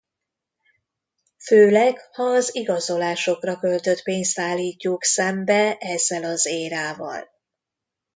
Főleg ha az igazolásokra költött pénzt állítjuk szembe ezzel az érával.